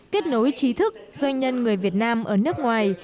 kết nối trí thức doanh nhân người việt nam ở nước ngoài